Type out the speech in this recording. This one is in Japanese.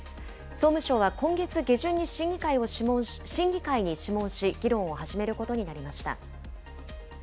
総務省は今月下旬に審議会に諮問し、議論を始めることになりました。